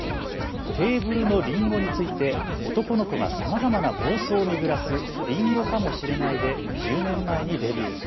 テーブルのりんごについて男の子がさまざまな妄想を巡らすりんごかもしれないで１０年前にデビュー。